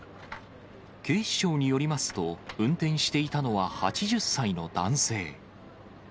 警視庁によりますと、運転していたのは８０歳の男性。